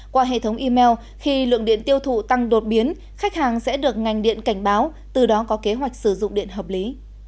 qua hệ thống email khi lượng điện tiêu thụ tăng đột biến khách hàng sẽ được ngành điện cảnh báo từ đó có kế hoạch sử dụng điện hợp lý